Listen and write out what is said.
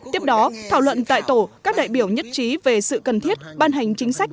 tiếp đó thảo luận tại tổ các đại biểu nhất trí về sự cần thiết ban hành chính sách